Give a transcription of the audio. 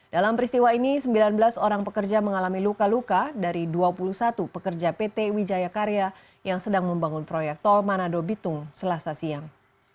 dalam peristiwa ini sembilan belas orang pekerja mengalami luka luka dari dua puluh satu pekerja pt wijaya karya yang sedang membangun proyek tol manado bitung selasa siang